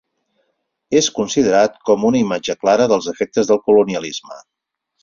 És considerat com una imatge clara dels efectes del colonialisme.